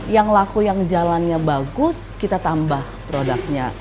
yang laku yang jalannya bagus kita tambah produknya